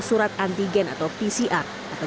surat antigen atau pcr atau